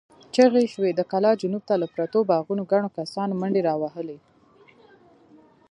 چيغې شوې، د کلا جنوب ته له پرتو باغونو ګڼو کسانو منډې را وهلې.